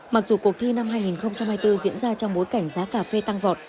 mặc dù cuộc thi năm hai nghìn hai mươi bốn diễn ra trong bối cảnh giá cà phê tăng vọt